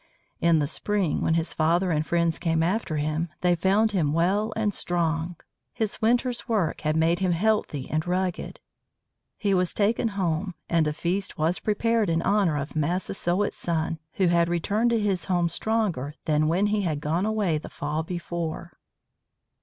In the spring, when his father and friends came after him, they found him well and strong. His winter's work had made him healthy and rugged. He was taken home, and a feast was prepared in honor of Massasoit's son who had returned to his home stronger than when he had gone away the fall before.